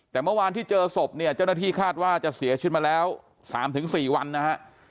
แต่เมื่อวานที่เจอศพเนี่ยเจ้าหน้าที่คาดว่าจะเสียชีวิตมาแล้ว๓๔วันนะฮะ